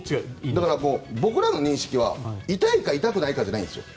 僕らの認識は痛いか痛くないかじゃないんです。